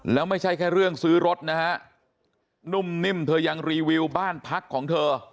แล้วไม่ใช่แค่เรื่องซื้อรถนะฮะนุ่มนิ่มเธอยังรีวิวบ้านพักของเธอ